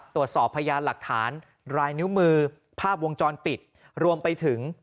ตรวจสอบพยานหลักฐานรายนิ้วมือภาพวงจรปิดรวมไปถึง